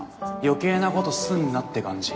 余計なことすんなって感じ